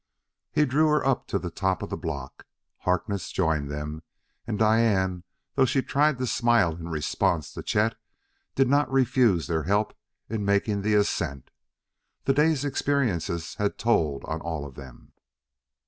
He drew her up to the top of the block. Harkness joined them, and Diane, though she tried to smile in response to Chet, did not refuse their help in making the ascent; the day's experiences had told on all of them.